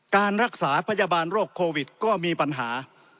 การรักษาพยาบาลโรคโควิดก็มีปัญหา